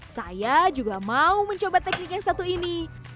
saya juga mau mencoba teknik yang satu ini